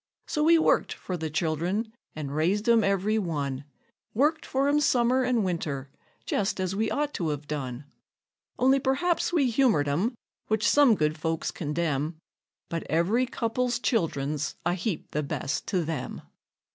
So we worked for the child'rn, and raised 'em every one; Worked for 'em summer and winter, just as we ought to 've done; Only perhaps we humored 'em, which some good folks condemn, But every couple's child'rn's a heap the best to them.